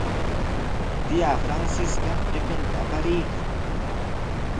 Tiyaa Francisca qipinta apariykan.